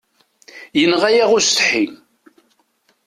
Inɣa-yaɣ usetḥi.